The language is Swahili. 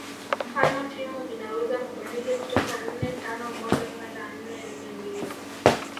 Mfano timu inaweza kubadili kutoka nne tano moja kwenda nne nne mbili